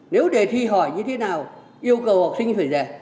nếu đề thi hỏi như thế nào yêu cầu học sinh phải dè